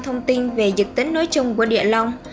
thông tin về dự tính nối chung của địa lông